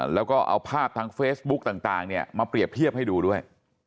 แล้วก็เอาภาพทางเฟซบุ๊กต่างมาเปรียบเทียบให้ดูด้วย